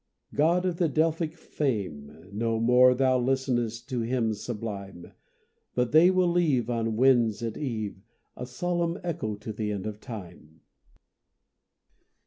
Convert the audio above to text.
God of the Delphic fame, No more thou listenest to hymns sublime; But they will leave On winds at eve, A solemn echo to the end of time.